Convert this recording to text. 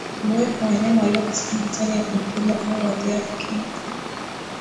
Uwepo wa wanyama walio katika hatari ya kuambukizwa au wadhaifu kiafya